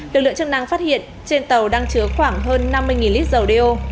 lực lượng chức năng phát hiện trên tàu đang chứa khoảng hơn năm mươi lít dầu đeo